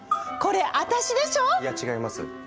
いや違います。